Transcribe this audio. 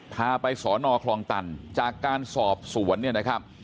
พาไปสอนอคลองตันจากการสอบสวนเนี่ยนะครับ